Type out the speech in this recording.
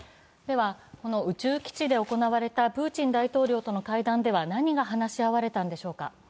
宇宙基地で行われたプーチン大統領との会談では何が話し合われたのでしょうか。